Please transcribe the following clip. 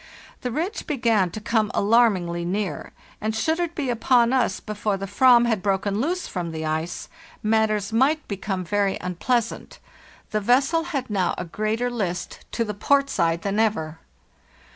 The ridge began to come alarmingly near, and, should it be upon us before the vam had broken loose from the ice, matters might become very ey THE NEW YEAR, 1895 47 unpleasant. The vessel had now a greater list to the port side than ever.